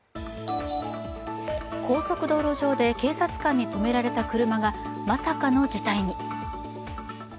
高速道路上で警察官に止められた車がまさかの事態に。